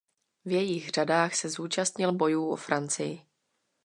V jejích řadách se zúčastnil bojů o Francii.